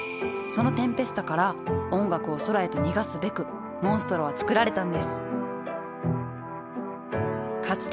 そのテンペスタから音楽を空へと逃がすべくモンストロは作られたんですか